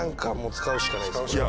使うしかないね。